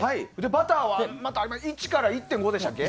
バターはまた１から１．５でしたっけ？